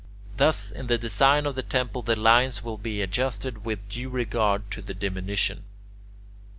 Thus, in the design of the temple the lines will be adjusted with due regard to the diminution.